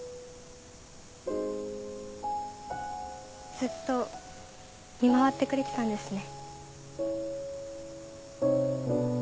ずっと見回ってくれてたんですね。